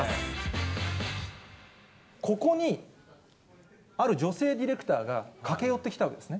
ここにある女性ディレクターが駆け寄ってきたんですね。